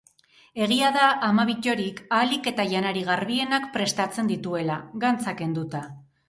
Egia da ama Bittorik ahalik eta janari garbienak prestatzen dituela, gantza kenduta